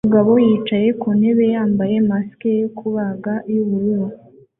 Umugabo yicaye ku ntebe yambaye mask yo kubaga yubururu